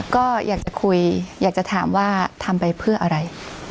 ก็อยากจะคุยอยากจะถามว่าทำไปเพื่ออะไร